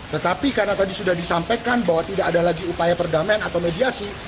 tetapi karena tadi sudah disampaikan bahwa tidak ada lagi upaya perdamaian atau mediasi